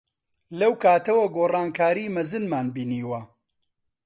لەو کاتەوە گۆڕانکاریی مەزنمان بینیوە.